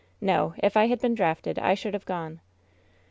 No, if I had been drafted I should have gone."